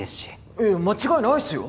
いや間違いないっすよ！